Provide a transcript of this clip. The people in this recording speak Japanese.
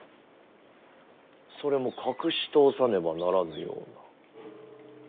それも隠し通さねばならぬような。